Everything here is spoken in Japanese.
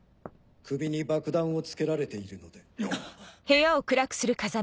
首に爆弾をつけられているので。